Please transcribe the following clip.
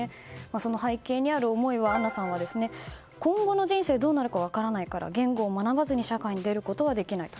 その背景にある思いをアンナさんは今後の人生どうなるのか分からないから言語を学ばずに社会に出ることはできないと。